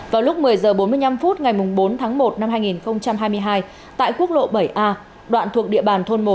vào lúc một mươi h bốn mươi năm phút ngày bốn tháng một năm hai nghìn hai mươi hai tại quốc lộ bảy a đoạn thuộc địa bàn thôn một